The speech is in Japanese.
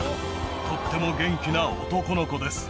とっても元気な男の子です。